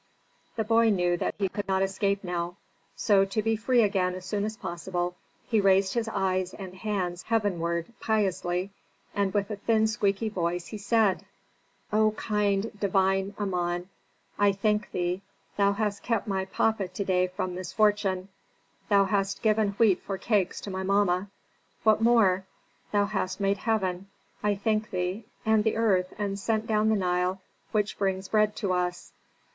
The boy knew that he could not escape now; so to be free again as soon as possible he raised his eyes and hands heavenward piously, and with a thin squeaky voice, he said, "O kind, divine Amon, I thank thee, thou hast kept my papa to day from misfortune, thou hast given wheat for cakes to my mamma. What more? Thou hast made heaven. I thank thee. And the earth, and sent down the Nile which brings bread to us.